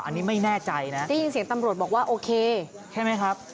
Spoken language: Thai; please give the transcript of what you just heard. อันนี้ไม่แน่ใจนะได้ยินเสียงตำรวจบอกว่าโอเคใช่ไหมครับ